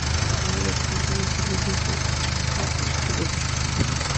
Fue Director de los Servicios de Christchurch.